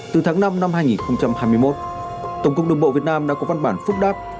từ tháng năm năm hai nghìn hai mươi một tổng cục đường bộ việt nam đã có văn bản phúc đáp